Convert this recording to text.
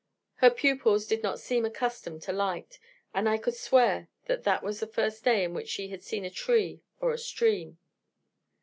Her pupils did not seem accustomed to light; and I could swear that that was the first day in which she had seen a tree or a stream.